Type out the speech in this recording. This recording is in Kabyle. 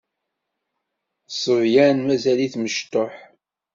D ṣṣebyan mazal-it mecṭuḥ.